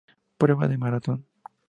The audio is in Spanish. Prueba de Maratón